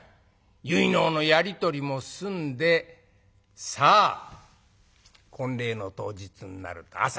結納のやり取りも済んでさあ婚礼の当日になると朝からお前の姿が見えない。